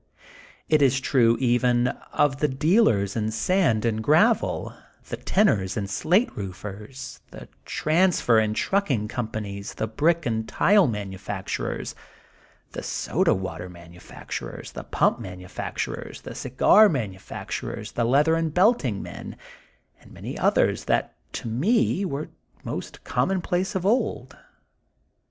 It is true, even, of the dealers in sand and gravel, the tinners and slate roofers, the transfer and trucking com panies, the brick and tile manufacturers, the soda water manufacturers, the pump manu facturers, the cigar manufacturers, the leather and belting men, and many others that to me were most commonplace of old.